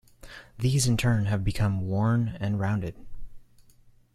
These in turn have become worn and rounded.